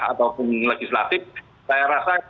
ataupun legislatif saya rasa